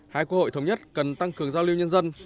hai quốc hội thống nhất cần tăng cường giao lưu nhân dân